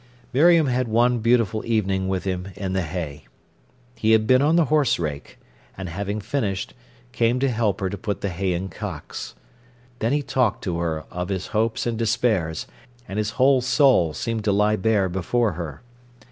Miriam had one beautiful evening with him in the hay. He had been on the horse rake, and having finished, came to help her to put the hay in cocks. Then he talked to her of his hopes and despairs, and his whole soul seemed to lie bare before her.